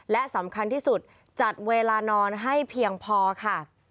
และสำคัญที่สุดจัดเวลานอนให้เพียงพอค่ะ